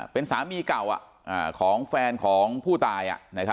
เป็นสามีเก่าของแฟนของผู้ตาย